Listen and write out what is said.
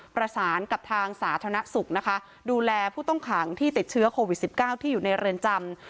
ประสานกับทางสาธารณสุขนะคะดูแลผู้ต้องขังที่ติดเชื้อโควิด๑๙ที่อยู่ในเรือนจำ